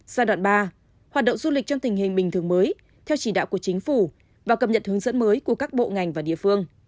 giai đoạn ba hoạt động du lịch trong tình hình bình thường mới theo chỉ đạo của chính phủ và cập nhật hướng dẫn mới của các bộ ngành và địa phương